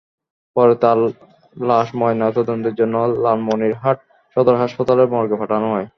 পরে তার লাশ ময়নাতদন্তের জন্য লালমনিরহাট সদর হাসপাতালের মর্গে পাঠানো হয়।